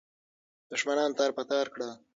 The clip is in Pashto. دښمنان تار په تار کړه.